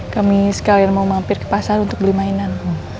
kami sekalian mau mampir ke pasar untuk beli mainan